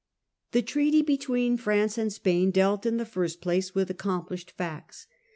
The treaty between France and Spain dealt in the first place with accomplished facts.